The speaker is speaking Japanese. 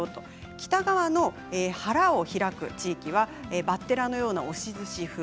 北側の腹を開く地域はバッテラのような押しずし風